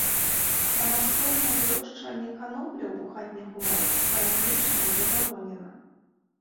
Самастойнае вырошчванне канопляў у хатніх умовах па-ранейшаму забаронена.